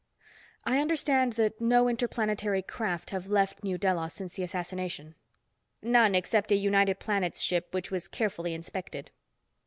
"I understand that no interplanetary craft have left New Delos since the assassination." "None except a United Planets ship which was carefully inspected."